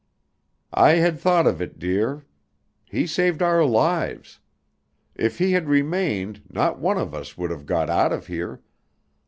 "I had thought of it, dear. He saved our lives; if he had remained, not one of us would have got out of here.